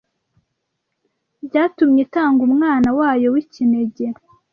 byatumye itanga Umwana wayo w’ikinege